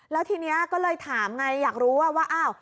แล้วทีนี้ก็เลยถามไงอยากรู้ว่าอ้าว